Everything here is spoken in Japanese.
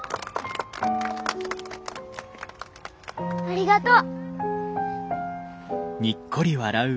ありがとう。